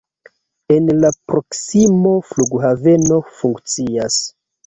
En la proksimo flughaveno funkcias.